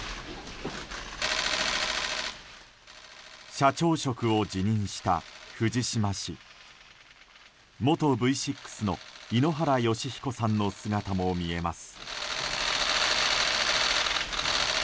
社長職を辞任した藤島氏元Ｖ６の井ノ原快彦さんの姿も見えます。